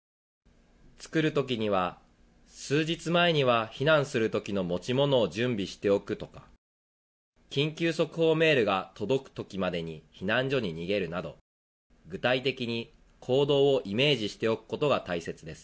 作るときには数日前には避難するときの持ち物を準備しておくとか緊急速報メールが届くときまでに避難所に逃げるなど具体的に行動をイメージしておくことが大切です。